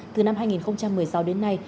từ năm hai nghìn một mươi sáu đến nay